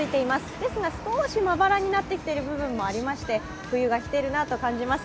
ですが少しまばらになってきている部分もありまして冬が来ているなと感じます。